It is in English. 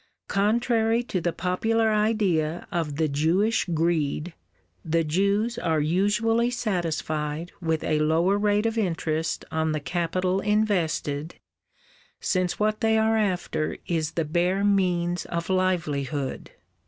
Contrary, to the popular idea of the Jewish greed, the Jews are usually satisfied with a lower rate of interest on the capital invested, since what they are after is the bare means of livelihood.